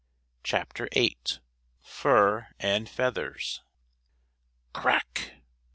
CHAPTER VIII FUR AND FEATHERS Crack!